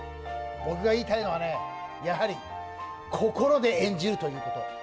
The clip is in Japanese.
僕が言いたいのはねやはり心で演じるということ。